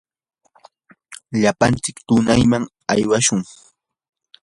lapantsik tunayman aywashun.